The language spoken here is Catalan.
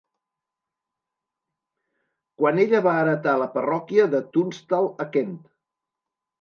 Quan ella va heretar la parròquia de Tunstall a Kent.